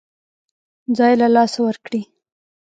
ځای له لاسه ورکړي.